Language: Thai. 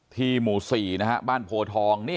หมู่๔บ้านโพทอง